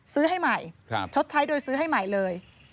ซื้อให้ใหม่ชดใช้โดยซื้อให้ใหม่เลย